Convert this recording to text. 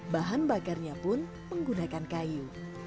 bahan bakarnya pun menggunakan kayu